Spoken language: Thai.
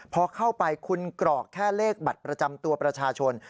พอเข้าไปคุณกรอกแค่เลขบัตรประจำตัวประชาชน